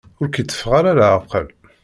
Ur k-iteffeɣ ara leεqel.